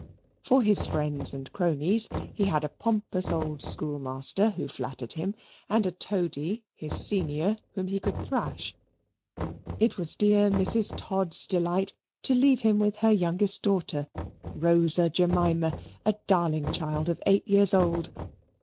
For his friends and cronies, he had a pompous old schoolmaster, who flattered him, and a toady, his senior, whom he could thrash. It was dear Mrs. Todd's delight to leave him with her youngest daughter, Rosa Jemima, a darling child of eight years old.